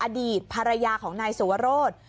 อดีตภรรยาของนายสุวรส